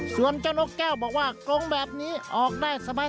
ส่วนเจ้านกแก้วบอกว่ากรงแบบนี้ออกได้สบาย